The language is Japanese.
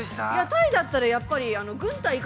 ◆タイだったらやっぱり軍隊に行